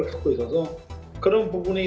saya juga menarik dari thailand